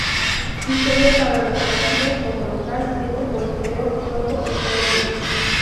Su sede para los partidos como local es el Coliseo Toto Hernández.